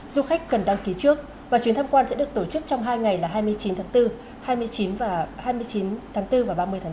du khách cần đăng ký trước và chuyến tham quan sẽ được tổ chức trong hai ngày là hai mươi chín tháng bốn hai mươi chín tháng bốn và ba mươi tháng bốn